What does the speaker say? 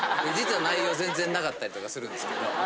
実は内容全然なかったりとかするんですけど。